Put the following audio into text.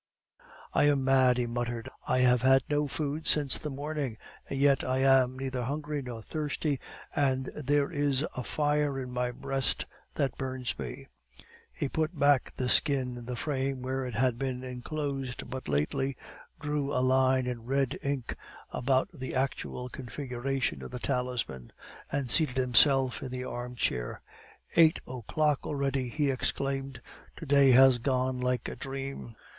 "I am mad," he muttered. "I have had no food since the morning, and yet I am neither hungry nor thirsty, and there is a fire in my breast that burns me." He put back the skin in the frame where it had been enclosed but lately, drew a line in red ink about the actual configuration of the talisman, and seated himself in his armchair. "Eight o'clock already!" he exclaimed. "To day has gone like a dream."